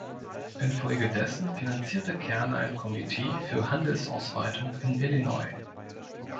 Infolgedessen finanzierte Kerner ein Komitee für Handelsausweitung in Illinois.